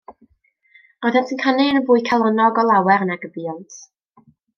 Roeddent yn canu yn fwy calonnog o lawer nag y buont.